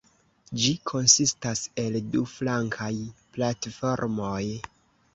Ĝi konsistas el du flankaj platformoj.